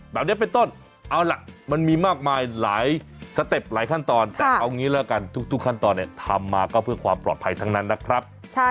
แบบนี้เป็นต้นเอาล่ะมันมีมากมายหลายสเต็ปหลายขั้นตอนแต่เอางี้แล้วกันทุกขั้นตอนเนี่ยทำมาก็เพื่อความปลอดภัยทั้งนั้นนะครับ